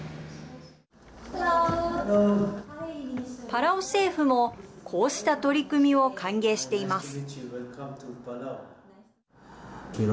パラオ政府もこうした取り組みを歓迎しています。